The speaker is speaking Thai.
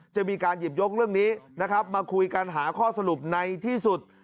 จะมีการหยิบยกเรื่องนี้นะครับมาคุยกันหาข้อสรุปในที่สุด